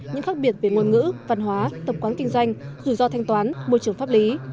những khác biệt về ngôn ngữ văn hóa tập quán kinh doanh rủi ro thanh toán môi trường pháp lý